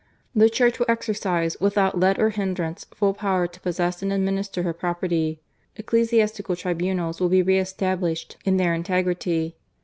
"The Church will exercise, without let or hin drance, full power to possess and administer her property. Ecclesiastical tribunals will be re estab ' lished in their integrity.